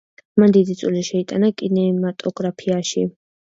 მან დიდი წვლილი შეიტანა კინემატოგრაფიაში.